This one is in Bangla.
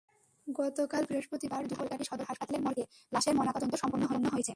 গতকাল বৃহস্পতিবার দুপুরে ঝালকাঠি সদর হাসপাতালের মর্গে লাশের ময়নাতদন্ত সম্পন্ন হয়েছে।